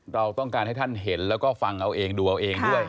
เราต้องการให้ท่านเห็นแล้วก็ฟังเอาเองดูเอาเองด้วย